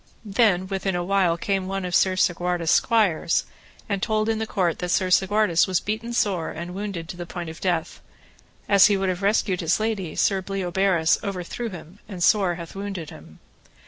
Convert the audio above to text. Then within a while came one of Sir Segwarides' squires, and told in the court that Sir Segwarides was beaten sore and wounded to the point of death; as he would have rescued his lady Sir Bleoberis overthrew him and sore hath wounded him.